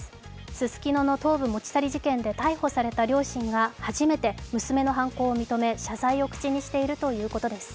ススキノの頭部持ち去り事件で逮捕された両親が初めて娘の犯行を認め謝罪を口にしているということです。